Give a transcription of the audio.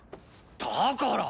だから！